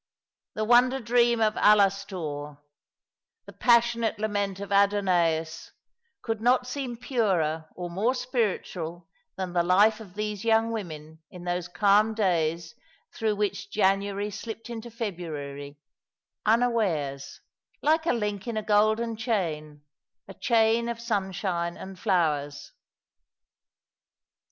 The wonder dream of Alastor — the passionate lament of Adonais, could not seem purer or more spiritual than the life of these young women in those calm days through which January slipped into February, unawares, like a link in a golden chain — a chain of sunshine and flowers.